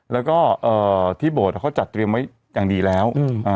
แล้วก็ที่โบสถเขาจัดเตรียมไว้อย่างดีแล้ว